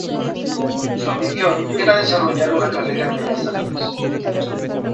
Su ambición era desarrollar una carrera en bellas artes.